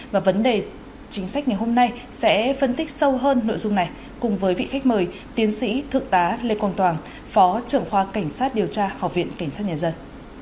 và vấn đề chính sách ngày hôm nay sẽ phân tích sâu hơn nội dung này cùng với vị khách mời tiến sĩ thượng tá lê quang toàn phó trưởng khoa cảnh sát điều tra học viện cảnh sát nhà dân